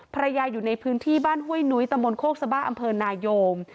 อยู่ในพื้นที่บ้านห้วยนุ้ยตะมนตโคกสบ้าอำเภอนายม